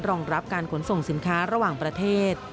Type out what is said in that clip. รองรับการขนส่งสินค้าระหว่างประเทศ